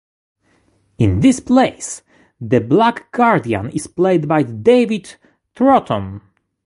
In these plays, the Black Guardian is played by David Troughton.